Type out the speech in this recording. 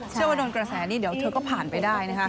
เชื่อว่าโดนกระแสนี้เดี๋ยวเธอก็ผ่านไปได้นะคะ